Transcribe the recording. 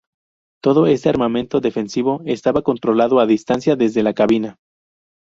Todo este armamento defensivo estaba controlado a distancia desde la cabina.